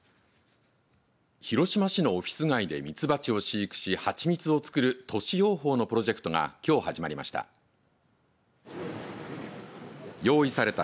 広島市のオフィス街で蜜蜂を飼育し、蜂蜜を作る都市養蜂のプロジェクトがきょう始まりました。